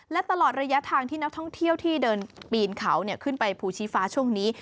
และตลอดระยะทางที่นักท่องเที่ยวที่เดินปีนเขาขึ้นไปภูชีฟ้าช่วงนี้